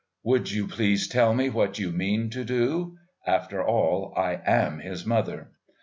"Would you please tell me what you mean to do? After all, I am his mother."